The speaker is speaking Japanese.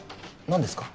何ですか？